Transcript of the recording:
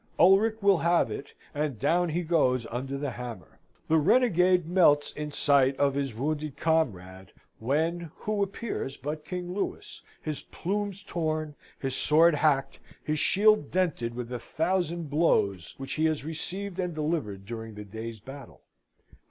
Ulric will have it, and down he goes under the hammer. The renegade melts in sight of his wounded comrade, when who appears but King Louis, his plumes torn, his sword hacked, his shield dented with a thousand blows which he has received and delivered during the day's battle.